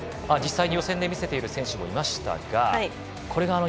実際、予選で見せている選手もいましたが。